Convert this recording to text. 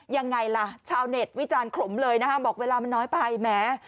ยังไงล่ะชาวเน็ตวิจารณ์ขลมเลยนะคะบอกเวลามันน้อยไปแหม